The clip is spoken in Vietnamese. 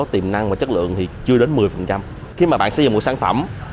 thì bạn phải tìm được một nền tảng tài chính mới